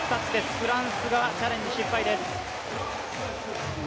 フランスがチャレンジ失敗です。